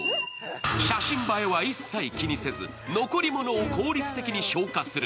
写真映えは一切気にせず、残り物を効率的に消化する。